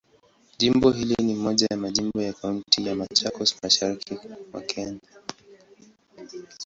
Jimbo hili ni moja ya majimbo ya Kaunti ya Machakos, Mashariki mwa Kenya.